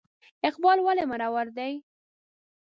اقبال ولې مرور دی ؟